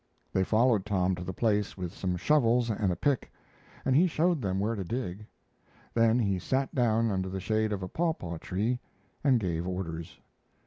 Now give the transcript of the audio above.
They followed Tom to the place with some shovels and a pick, and he showed them where to dig. Then he sat down under the shade of a papaw tree and gave orders.